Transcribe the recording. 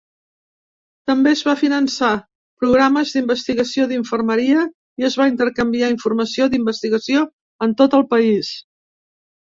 També es van finançar programes d'investigació d'infermeria i es va intercanviar informació d'investigació en tot el país.